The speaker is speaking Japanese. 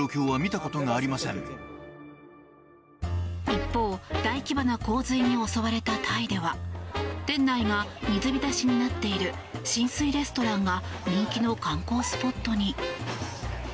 一方、大規模な洪水に襲われたタイでは店内が水浸しになっている浸水レストランが人気の観光スポットに。